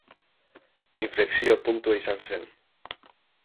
Inflexio puntua izan zen.